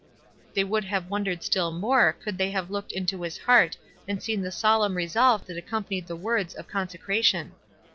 They would have wondered still more could thev have looked into his heart and seen the solemn resolve that accompanied the words of consecra tion.